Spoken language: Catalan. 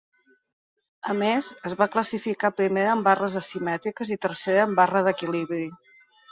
A més, es va classificar primera en barres asimètriques i tercera en barra d'equilibri.